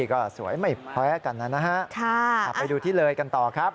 ก็สวยไม่แพ้กันนะฮะไปดูที่เลยกันต่อครับ